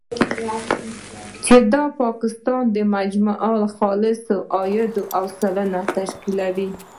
چې دا د پاکستان د مجموعي خالص عاید، اویا سلنه تشکیلوي.